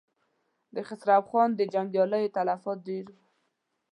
د خسرو خان د جنګياليو تلفات ډېر و.